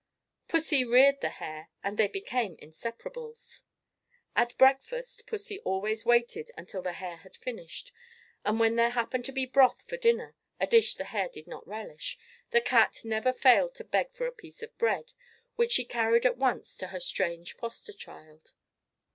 Pussy reared the hare, and they became inseparables. At breakfast pussy always waited until the hare had finished, and when there happened to be broth for dinner a dish the hare did not relish the cat never failed to beg for a piece of bread, which she carried at once to her strange foster child.